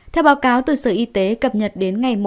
theo báo cáo từ sở y tế cập nhật đến ngày một